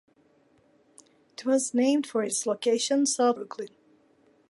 It was named for its location, south of the original Village of Brooklyn.